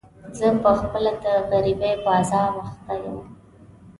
زه په خپله د غريبۍ په عذاب اخته يم.